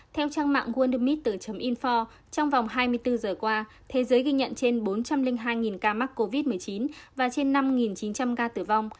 theo trang mạng wondermit info trong vòng hai mươi bốn giờ qua thế giới ghi nhận trên bốn trăm linh hai ca mắc covid một mươi chín và trên năm chín trăm linh ca tử vong